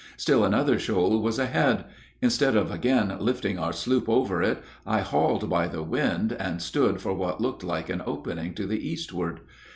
Still another shoal was ahead; instead of again lifting our sloop over it, I hauled by the wind, and stood for what looked like an opening to the eastward.